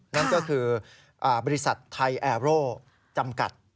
นั่นก็คือบริษัทไทยแอร์โร่จำกัด